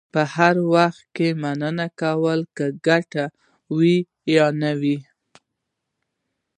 هر وخت مننه وکړه، که ګټه وي یا نه.